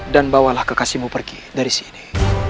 dan bawalah kekasihmu pergi dari sini